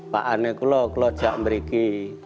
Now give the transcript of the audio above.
pada saat itu saya pun berjalan ke jambriki